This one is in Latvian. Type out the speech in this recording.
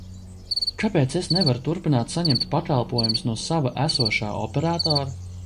Kāpēc es nevaru turpināt saņemt pakalpojumus no sava esošā operatora?